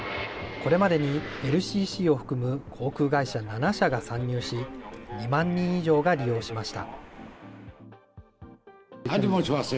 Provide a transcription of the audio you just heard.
これまでにＬＣＣを含む航空会社７社が参入し、２万人以上が利用しました。